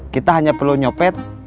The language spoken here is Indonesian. kita hanya perlu nyopet